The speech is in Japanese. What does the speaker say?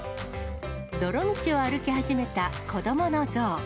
泥道を歩き始めた子どものゾウ。